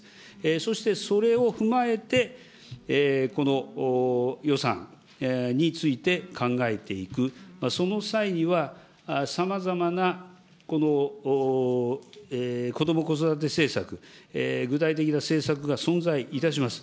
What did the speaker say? そしてそれを踏まえて、予算について考えていく、その際には、さまざまなこども・子育て政策、具体的な政策が存在いたします。